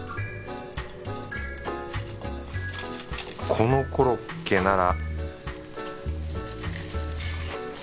このコロッケなら